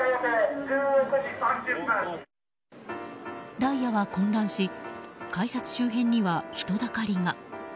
ダイヤは混乱し改札周辺には人だかりが。